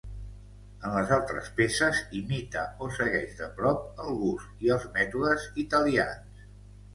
En les altres peces imita o segueix de prop el gust i els mètodes italians.